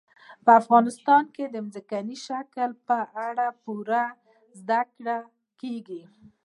په افغانستان کې د ځمکني شکل په اړه پوره زده کړه کېږي.